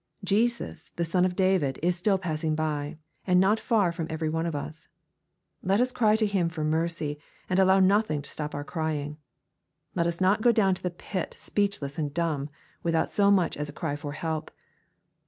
Jesus, the Son of David, is still passing by, and not far from every one of us. Let us cry to Him for mercy, and allow nothing to stop our crying. Let us not go down to the pit speechless and dumb, without so much as a cry for help.